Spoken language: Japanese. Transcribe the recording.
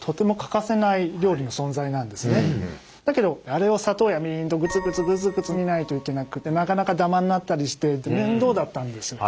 だけどあれを砂糖やみりんとグツグツグツグツ煮ないといけなくてなかなかダマになったりして面倒だったんです。